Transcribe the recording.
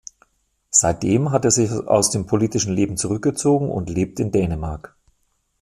Seitdem hat er sich aus dem politischen Leben zurückgezogen und lebt in Dänemark.